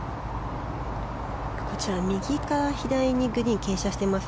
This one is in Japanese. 右から左にグリーンが傾斜しています。